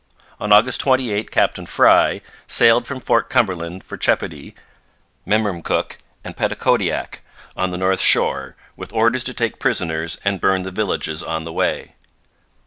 On August 28 Captain Frye sailed from Fort Cumberland for Chepody, Memramcook, and Petitcodiac, on the north shore, with orders to take prisoners and burn the villages on the way.